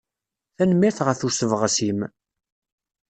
Tanemmirt ɣef usebɣes-im.